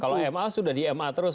kalau ma sudah di ma terus